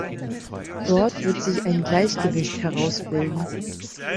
Dort wird sich ein Gleichgewicht herausbilden.